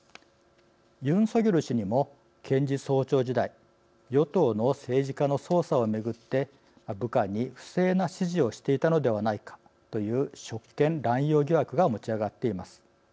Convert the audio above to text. ユン・ソギョル氏にも検事総長時代与党の政治家の捜査をめぐって部下に不正な指示をしていたのではないかという職権乱用疑惑が持ち上がっています。